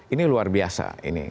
ini luar biasa